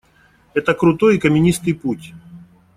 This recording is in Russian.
Это крутой и каменистый путь.